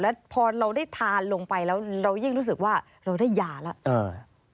แล้วพอเราได้ทานลงไปแล้วเรายิ่งรู้สึกว่าเราได้ยาแล้ว